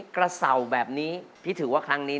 กระเสาแบบนี้พี่ถือว่าครั้งนี้